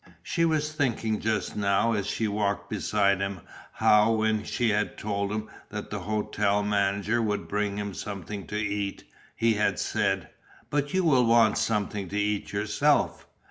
She was thinking just now as she walked beside him how when she had told him that the hotel manager would bring him something to eat, he had said, "but you will want something to eat yourself."